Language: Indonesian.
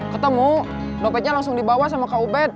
ketemu lopetnya langsung dibawa sama kub